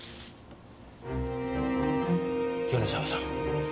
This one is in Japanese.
米沢さん